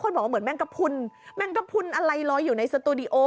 บอกว่าเหมือนแมงกระพุนแมงกระพุนอะไรลอยอยู่ในสตูดิโอ